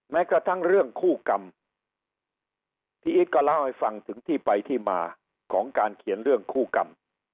แม้กระทั่งเรื่องคู่กรรมพี่อีทก็เล่าให้ฟังถึงที่ไปที่มาของการเขียนเรื่องคู่กรรม